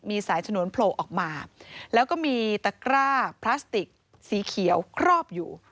มีสายฉนวนโผล่ออกมาแล้วก็มีตะกร้าพลาสติกสีเขียวครอบอยู่